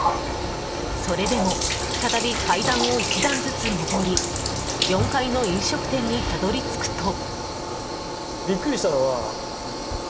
それでも再び階段を１段ずつ上り４階の飲食店にたどり着くと。